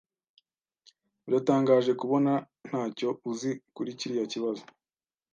Biratangaje kubona ntacyo uzi kuri kiriya kibazo.